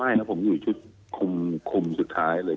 ไม่ครับผมอยู่ชุดคุมสุดท้ายเลย